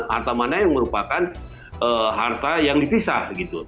harta mana yang merupakan harta yang dipisah